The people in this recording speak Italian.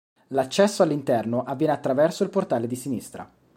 L'accesso all'interno avviene attraverso il portale di sinistra.